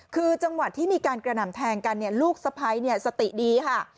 คือจังหวะที่มีการกระหน่ำแทงกันลูกสะพ้ายสติดีค่ะ